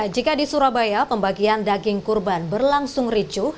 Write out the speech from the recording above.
jika di surabaya pembagian daging kurban berlangsung ricuh